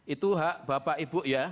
itu hak bapak ibu ya